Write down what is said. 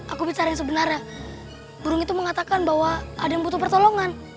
aku bicarain sebenarnya burung itu mengatakan bahwa ada yang butuh pertolongan